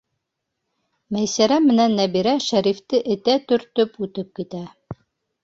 Мәйсәрә менән Нәбирә Шәрифте этә төртөп үтеп китә.